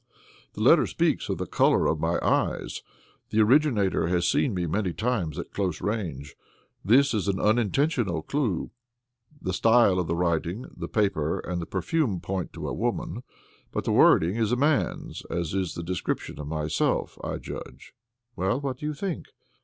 "The letter speaks of the color of my eyes. The originator has seen me many times at close range. This is an unintentional clue. The style of the writing, the paper and the perfume point to a woman, but the wording is a man's, as is the description of myself, I judge." "Well, what do you think?"